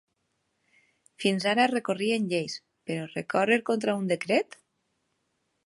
Fins ara recorrien lleis, però recórrer contra un decret?